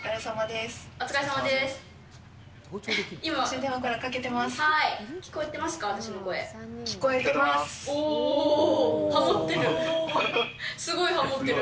すごいはもってる。